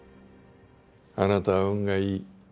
あなたは運がいい。